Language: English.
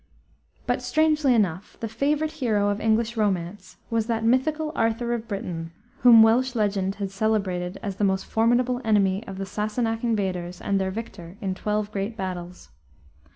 But, strangely enough, the favorite hero of English romance was that mythical Arthur of Britain, whom Welsh legend had celebrated as the most formidable enemy of the Sassenach invaders and their victor in twelve great battles.